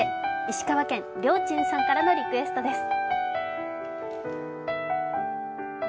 石川県、りょーちんさんからのリクエストです。